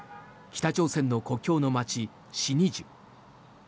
北朝鮮の国境の街、シニジュ。